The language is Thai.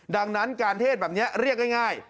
ดังนั้นการเทศแบบนี้เรียกง่าย